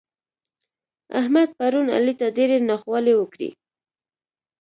احمد پرون علي ته ډېرې ناخوالې وکړې.